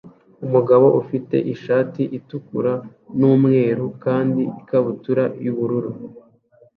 Umugabo ufite ishati itukura n'umweru kandi ikabutura y'ubururu